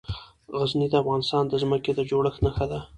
غزني د افغانستان د ځمکې د جوړښت نښه ده.